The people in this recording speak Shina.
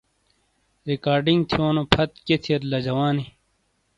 ریکارڈنگ تھیونو پھت کیئے تھیئیت لا جوانی؟